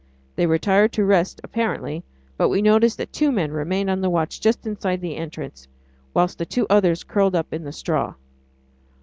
They retired to rest apparently, but we noticed that two men remained on the watch just inside the entrance, whilst the two others curled up in the straw.